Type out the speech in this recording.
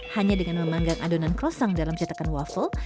hanya dengan memanggang adonan crossang dalam cetakan waffle